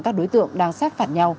các đối tượng đang sát phạt nhau